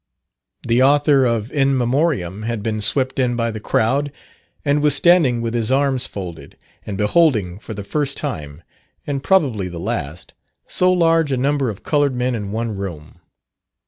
The author of "In Memoriam" had been swept in by the crowd, and was standing with his arms folded, and beholding for the first time (and probably the last) so large a number of coloured men in one room.